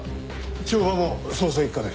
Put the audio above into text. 帳場も捜査一課で？